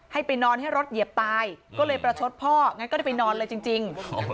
ไปนอนให้รถเหยียบตายก็เลยประชดพ่องั้นก็ได้ไปนอนเลยจริง